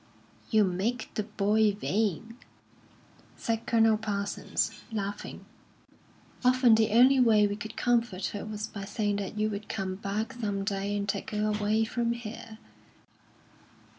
"You'll make the boy vain," said Colonel Parsons, laughing. "Often the only way we could comfort her was by saying that you would come back some day and take her away from here."